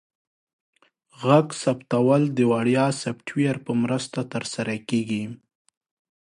غږ ثبتول د وړیا سافټویر په مرسته ترسره کیږي.